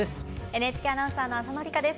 ＮＨＫアナウンサーの浅野里香です。